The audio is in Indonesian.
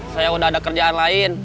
saya udah ada kerjaan lain